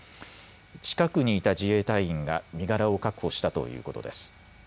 近くにいた自衛隊員が身柄を確保したということです。